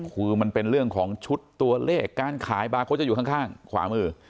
คือมันเป็นเรื่องของชุดตัวเลขการขายบาร์โค้ชจะอยู่ข้างขวามือ